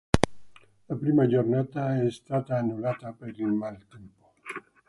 La prima giornata è stata annullata per il maltempo.